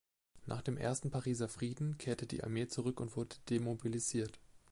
Nach dem Ersten Pariser Frieden kehrte die Armee zurück und wurde demobilisiert.